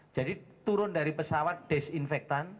jadi turun dari pesawat disinfektan